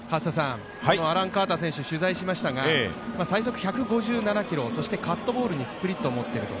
アラン・カーター選手、取材しましたが最速１５７キロ、そしてカットボールにスプリットも持っていると。